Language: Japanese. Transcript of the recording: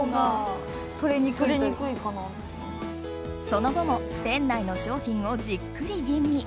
その後も店内の商品をじっくり吟味。